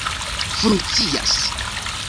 funkcias